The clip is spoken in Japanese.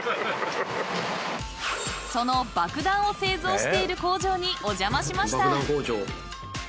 ［そのばくだんを製造している工場にお邪魔しました］